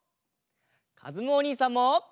かずむおにいさんも。